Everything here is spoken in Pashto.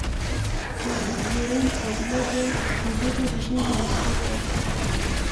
لورینټ کابیلا د موبوټو رژیم را نسکور کړ.